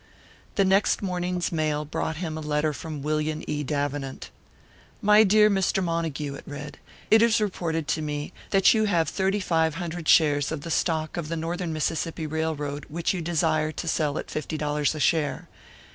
The next morning's mail brought him a letter from William E. Davenant. "My dear Mr. Montague," it read. "It is reported to me that you have thirty five hundred shares of the stock of the Northern Mississippi Railroad which you desire to sell at fifty dollars a share.